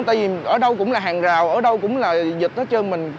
tại vì ở đâu cũng là hàng rào ở đâu cũng là dịch hết trơn mình